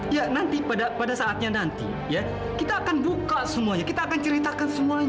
ya nanti pada saatnya nanti ya kita akan buka semuanya kita akan ceritakan semuanya